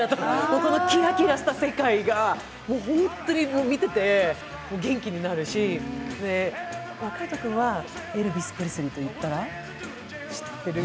そのキラキラした世界がもう本当に見てて元気になるし、海音君はエルヴィス・プレスリーといったら知ってる？